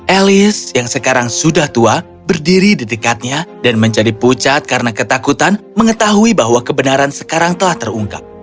elis yang sekarang sudah tua berdiri di dekatnya dan menjadi pucat karena ketakutan mengetahui bahwa kebenaran sekarang telah terungkap